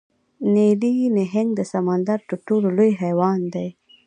نیلي نهنګ د سمندر تر ټولو لوی حیوان دی